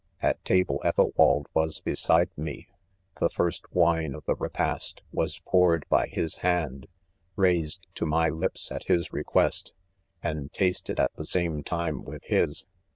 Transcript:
' 'At table Ethelwald was beside me. The first wine of .the repast, was poured by his hand, raised to my lips at his request, and tas ted' at the same time with his.